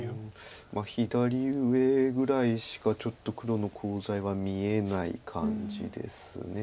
左上ぐらいしかちょっと黒のコウ材は見えない感じです。